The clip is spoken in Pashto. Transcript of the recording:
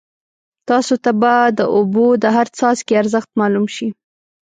تاسو ته به د اوبو د هر څاڅکي ارزښت معلوم شي.